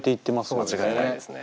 間違いないですね。